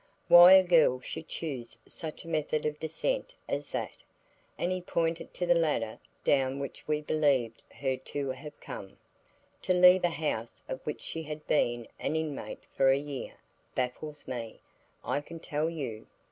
"Why a girl should choose such a method of descent as that," and he pointed to the ladder down which we believed her to have come "to leave a house of which she had been an inmate for a year, baffles me, I can tell you.